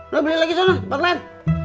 lo beli lagi sana tempat lain